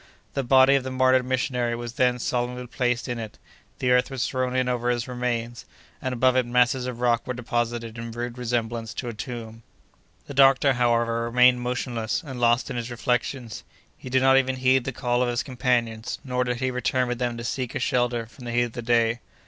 The body of the martyred missionary was then solemnly placed in it. The earth was thrown in over his remains, and above it masses of rock were deposited, in rude resemblance to a tomb. The doctor, however, remained motionless, and lost in his reflections. He did not even heed the call of his companions, nor did he return with them to seek a shelter from the heat of the day.